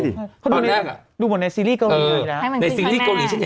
ดูหมดในซีรีส์เกาหลีเลยนะ